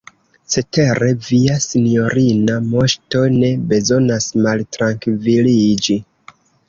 Cetere via sinjorina Moŝto ne bezonas maltrankviliĝi.